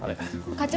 課長？